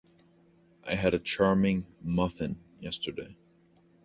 I had a charming muffin yesterday.